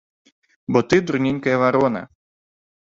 Бо ты дурненькая варона!